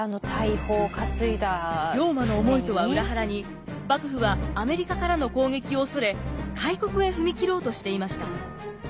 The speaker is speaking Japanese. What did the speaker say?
龍馬の思いとは裏腹に幕府はアメリカからの攻撃を恐れ開国へ踏み切ろうとしていました。